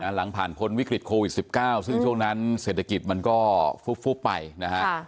หลังผ่านพ้นวิกฤตโควิด๑๙ซึ่งช่วงนั้นเศรษฐกิจมันก็ฟุบไปนะฮะ